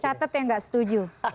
catet yang gak setuju